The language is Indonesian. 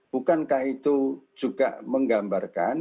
bukankah itu juga menggambarkan